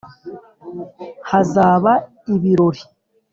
hazaba ibirori